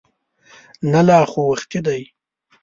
نه لا خو وختي دی.